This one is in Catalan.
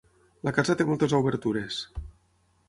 La casa té moltes obertures.